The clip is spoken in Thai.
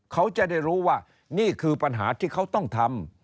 เขาจะได้รู้ว่านี่คือปัญหาที่เขาต้องทำ